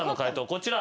こちら。